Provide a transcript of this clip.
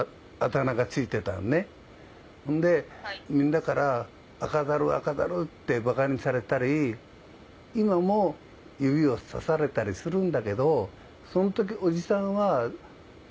そんでみんなから「赤ザル赤ザル」ってバカにされたり今も指をさされたりするんだけどその時。